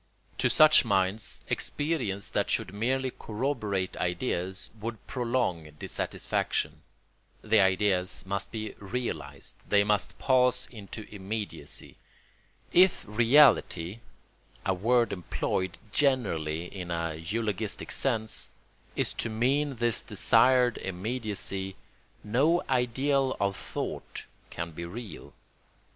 To such minds experience that should merely corroborate ideas would prolong dissatisfaction. The ideas must be realised; they must pass into immediacy. If reality (a word employed generally in a eulogistic sense) is to mean this desired immediacy, no ideal of thought can be real.